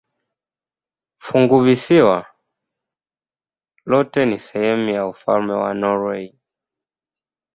Funguvisiwa lote ni sehemu ya ufalme wa Norwei.